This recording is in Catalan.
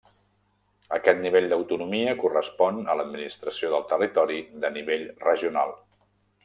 Aquest nivell d'autonomia correspon a l'administració del territori de nivell regional.